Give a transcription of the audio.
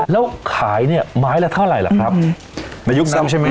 อ๋อแล้วขายเนี้ยไม้ละเท่าไรแหละครับอืมในยุคนั้นใช่ไหม